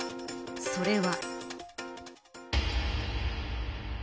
それは。